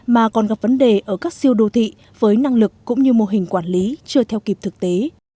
mà còn gặp vấn đề ở các siêu đô thị với năng lực cũng như mô hình quản lý chưa theo kịp thực tế